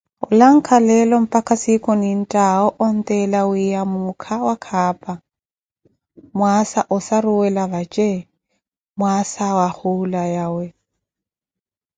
Olankha leelo mpakha siikhu ninttawo onttela wiiya muukha waKhapa, mwaasa asaruwela vace mwaasa wa hula yawe.